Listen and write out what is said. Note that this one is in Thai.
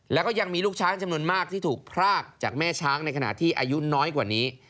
แล้วก็ยังมีลูกช้างจำนวนมากที่ถูกพรากจากแม่ช้างในขณะที่อายุน้อยกว่านี้